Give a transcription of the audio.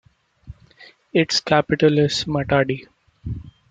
Its capital is Matadi.